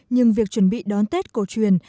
nhưng việc chuẩn bị đón tết cầu truyền